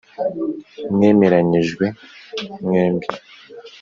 mwemeranyije mwembi